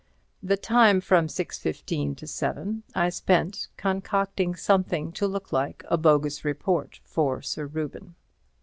The time from 6:15 to seven I spent concocting something to look like a bogus report for Sir Reuben.